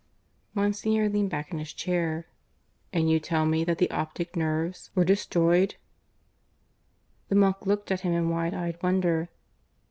Monsignor leaned back in his chair. "And you tell me that the optic nerves were destroyed?" The monk looked at him in wide eyed wonder.